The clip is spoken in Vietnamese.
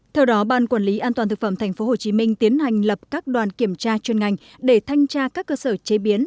theo đó ban quản lý an toàn thực phẩm tp hcm tiến hành lập các đoàn kiểm tra chuyên ngành để thanh tra các cơ sở chế biến